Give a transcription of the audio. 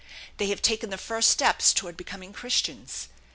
They have taken the first steps toward becoming Christians.